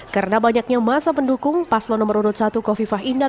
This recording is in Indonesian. karena banyaknya masa pendukung paslon nomor urut satu kofifah indar